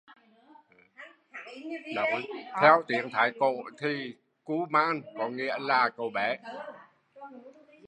Theo tiếng Thái cổ thì kuman có nghĩa là cậu bé